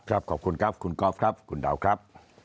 ขอบคุณครับคุณกอล์ฟครับคุณดาวครับ